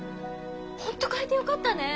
本当かえてよかったね。